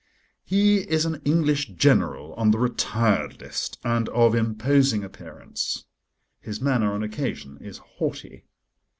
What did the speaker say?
He is an English General on the Retired List, and of imposing appearance: his manner on occasion is haughty.